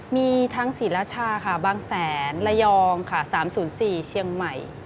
มีทั้งศรีราชาค่ะบางแสนระยองค่ะ๓๐๔เชียงใหม่